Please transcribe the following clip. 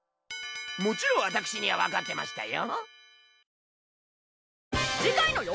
もちろん私にはわかってましたよ。